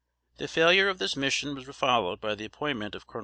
The failure of this mission was followed by the appointment of Col.